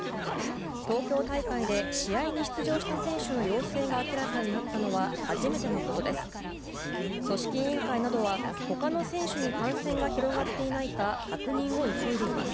東京大会で試合に出場した選手の陽性が明らかになったのは初めてのことです。